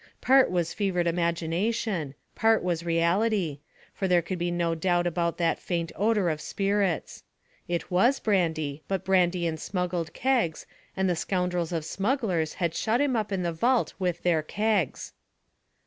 Part was fevered imagination, part was reality, for there could be no doubt about that faint odour of spirits. It was brandy, but brandy in smuggled kegs, and the scoundrels of smugglers had shut him up in the vault with their kegs.